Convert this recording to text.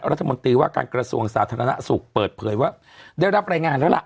รัฐมนตรีว่าการกระทรวงสาธารณสุขเปิดเผยว่าได้รับรายงานแล้วล่ะ